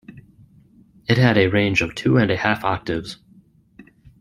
It had a range of two and a half octaves.